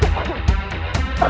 untuk mendapatkan makan